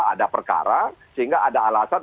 ada perkara sehingga ada alasan